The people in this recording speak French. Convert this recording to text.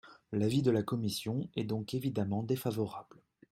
L’avis de la commission est donc évidemment défavorable.